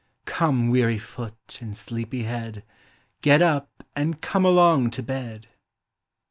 Come, weary foot, and sleepy head, Get up, and come along to bed."